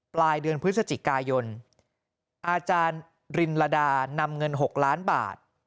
ปลายเดือนพฤศจิกายนอาจารย์รินลดานำเงิน๖ล้านบาท